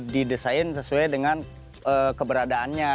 didesain sesuai dengan keberadaannya